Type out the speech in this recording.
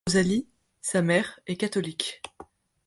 Rosalie, sa mère, est catholique.